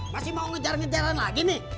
masih mau ngejar ngejaran lagi nih